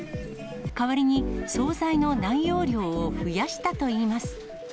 代わりに、総菜の内容量を増やしたといいます。